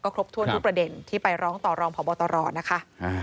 ครบถ้วนทุกประเด็นที่ไปร้องต่อรองพบตรนะคะ